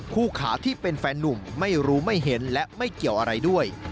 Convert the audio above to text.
ผู้ขาที่เป็นแฟนนุ่มไม่รู้ไม่เห็นและไม่เกี่ยวอะไรด้วย